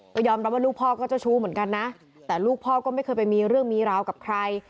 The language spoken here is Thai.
ก็ยอมรับว่าลูกพ่อก็เจ้าชู้เหมือนกันนะแต่ลูกพ่อก็ไม่เคยไปมีเรื่องมีราวกับใคร